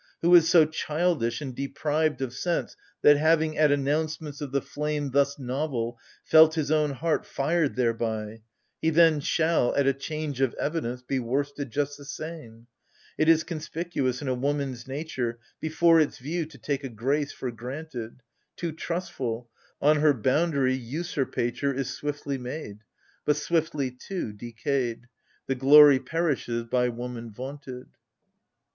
Who is so childish and deprived of sense That, having, at announcements of the flame Thus novel, felt his own heart fired thereby, He then shall, at a change of evidence, Be worsted just the same ?♦ It is conspicuous in a woman's nature. Before its view to take a grace for granted : Too tnistful, — on her boundary, usurpature Is swiftly made ; AGAMEMNON. 41 But swiftly, too, decayed, The glory perishes by woman vaunted.